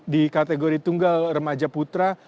di kategori tunggal remaja putra